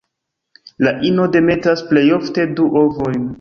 La ino demetas plej ofte du ovojn.